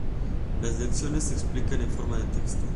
Las lecciones se explican en forma de texto.